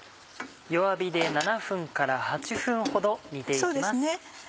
弱火で７分から８分ほど煮て行きます。